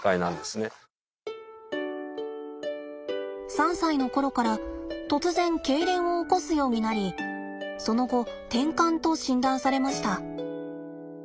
３歳の頃から突然けいれんを起こすようになりその後てんかんと診断されました。